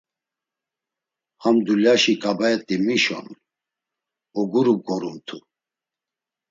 Ham dulyaşi ǩabaet̆i mişon, oguru bgorumtu.